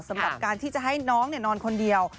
สำหรับการที่จะให้น้องนอนคนเดียว